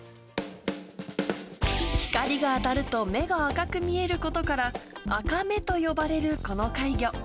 光が当たると目が赤く見えることから、アカメと呼ばれるこの怪魚。